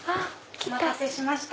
お待たせしました。